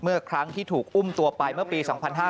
เมื่อครั้งที่ถูกอุ้มตัวไปเมื่อปี๒๕๕๙